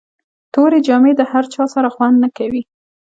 توري جامي د له هر چا سره خوند نه کوي.